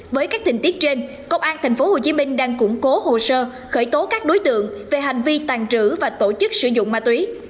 với các tình tiết trên công an tp hcm đang củng cố hồ sơ khởi tố các đối tượng về hành vi tàn trữ và tổ chức sử dụng ma túy